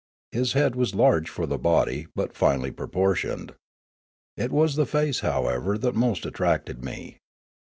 His head was large for the body, but finely proportioned. It was the face, however, that most attracted me.